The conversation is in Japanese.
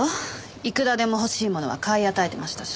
いくらでも欲しいものは買い与えてましたし。